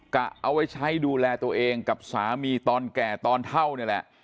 กะเอาไว้ใช้ดูแลตัวเองกับสามีตอนแก่ตอนเท่านี่แหละ